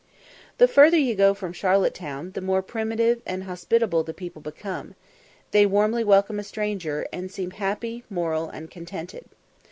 The further you go from Charlotte Town, the more primitive and hospitable the people become; they warmly welcome a stranger, and seem happy, moral, and contented.